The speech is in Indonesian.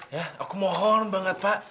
ya aku mohon banget pak